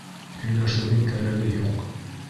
Һөйләшеүҙең кәрәге юҡ.